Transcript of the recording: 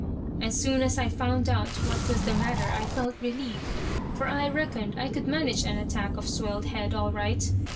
As soon as I found out what was the matter I felt relieved, for I reckoned I could manage an attack of swelled head all right.